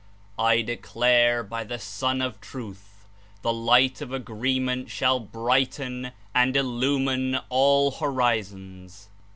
I declare by the Sun of Truth, the light of agreement shall brighten and illumine all horizons.''